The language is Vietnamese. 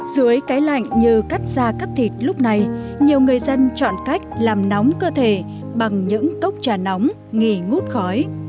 dưới cái lạnh như cắt da cắt thịt lúc này nhiều người dân chọn cách làm nóng cơ thể bằng những cốc trà nóng nghỉ ngút khói